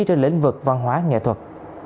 trên lĩnh vực văn hóa nghệ thuật